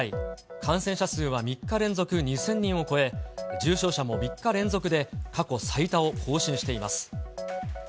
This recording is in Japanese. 感染者数は３日連続２０００人を超え、重症者も３日連続で過去最多を更新しています。